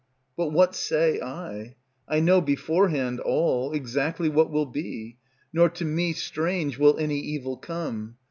But what say I? I know beforehand all, Exactly what will be, nor to me strange Will any evil come.